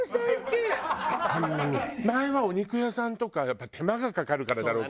前はお肉屋さんとかやっぱ手間がかかるからだろうけど。